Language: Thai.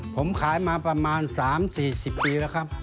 ผมขายมาประมาณ๓๔๐ปีแล้วครับ